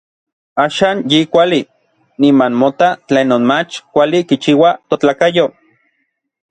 Axan yi kuali, niman mota tlenon mach kuali kichiua totlakayo.